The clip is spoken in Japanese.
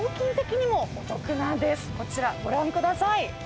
こちらご覧ください。